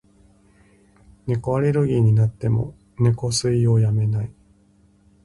猫アレルギーになっても、猫吸いをやめない。